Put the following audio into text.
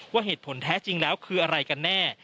ว่าเหตุผลแท้จริงแล้วคืออะไรกันแน่